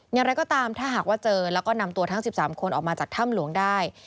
อย่างไรก็ตามถ้าหากว่าเจอแล้วก็นำตัวทั้ง๑๓คนออกมาจากถ้ำหลวงได้